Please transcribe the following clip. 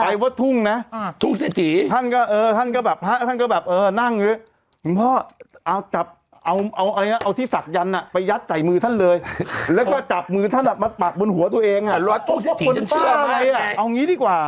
อ่ะวัดทู่เศรษฐีฉันเชื่อมายังไงวัดทู่เศรษฐีเป็นวัดที่ฉันเชื่อมายังไงเอางี้ดีกว่า